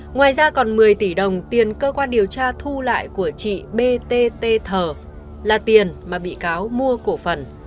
ngoài ra còn một mươi tỷ đồng tiền cơ quan điều tra thu lại của chị btt là tiền mà bị cáo mua cổ phần